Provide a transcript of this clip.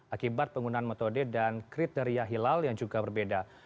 akibat penggunaan metode dan kriteria hilal yang juga berbeda